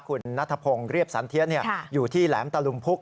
คุณนัทพงศ์เรียบสันเทียนอยู่ที่แหลมตะลุมพุก